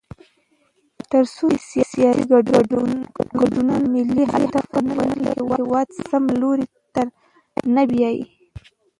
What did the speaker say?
تر څو چې سیاسي ګوندونه ملي اهداف ونلري، هېواد سم لوري ته نه بیايي.